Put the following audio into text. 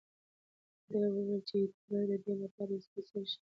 ده وویل چې هېټلر د ده لپاره یو سپېڅلی شخصیت دی.